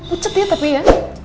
pucet ya tapi ya